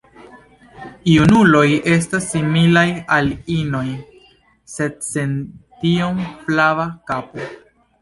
Junuloj estas similaj al inoj, sed sen tiom flava kapo.